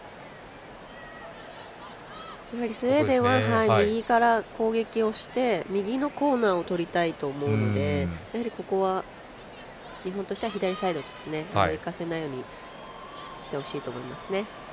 スウェーデンは右から攻撃をして右のコーナーを取りたいと思うのでやはり、ここは日本としては左サイドにいかせないようにしてほしいと思います。